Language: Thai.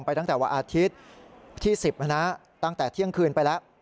ตั้งแต่วันอาทิตย์ที่๑๐ตั้งแต่เที่ยงคืนไปแล้ว